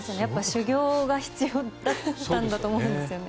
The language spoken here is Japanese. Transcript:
修業が必要だったと思うんですよね。